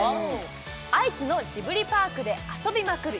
愛知のジブリパークで遊びまくる